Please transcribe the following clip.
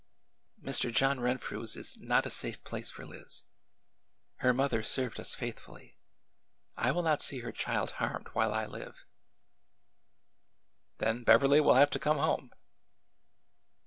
'' Mr. John Renfrew's is not a safe place for Liz. Her mother served us faithfully. I will not see her child harmed while I live." " Then Beverly will have to come home."